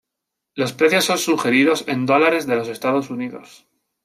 Los precios son sugeridos en dólares de los estados unidos